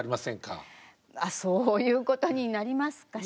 あっそういうことになりますかしら。